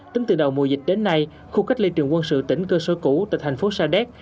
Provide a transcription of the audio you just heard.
tính từ đầu mùa dịch đến nay khu cách ly trường quân sự tỉnh cơ sở cũ tại thành phố sa đéc